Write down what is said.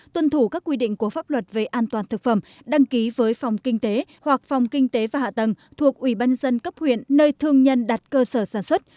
tuân thủ các quy định của pháp luật về an toàn thực phẩm đăng ký với phòng kinh tế hoặc phòng kinh tế và hạ tầng thuộc ủy ban dân cấp huyện nơi thương nhân đặt cơ sở sản xuất